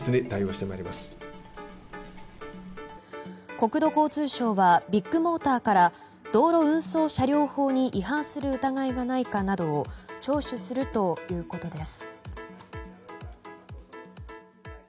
国土交通省はビッグモーターから道路運送車両法に違反する疑いがないかなど聴取するということです。